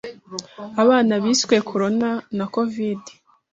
Abana biswe Corona na Covid